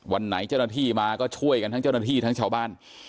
วันไหนเจ้าหน้าที่มาก็ช่วยกันทั้งเจ้าหน้าที่ทั้งชาวบ้าน